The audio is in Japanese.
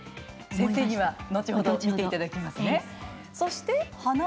先生に後ほど見ていただきますね。